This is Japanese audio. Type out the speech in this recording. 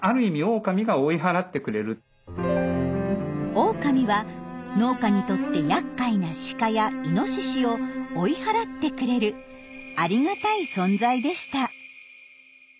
オオカミは農家にとってやっかいなシカやイノシシを追い払ってくれるありがたい存在でした。